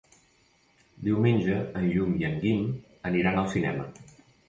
Diumenge en Lluc i en Guim aniran al cinema.